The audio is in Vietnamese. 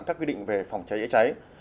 các quy định về phòng cháy cháy